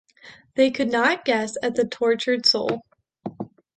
They could not guess at the tortured soul.